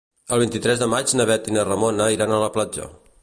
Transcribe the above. El vint-i-tres de maig na Bet i na Ramona iran a la platja.